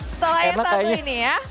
setelah yang satu ini ya